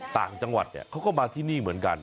ต่างจังหวัดเนี่ยเขาก็มาที่นี่เหมือนกัน